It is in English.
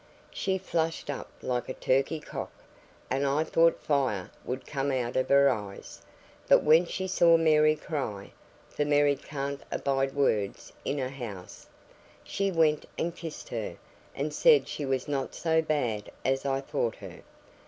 She flushed up like a turkey cock, and I thought fire would come out of her eyes; but when she saw Mary cry (for Mary can't abide words in a house), she went and kissed her, and said she was not so bad as I thought her.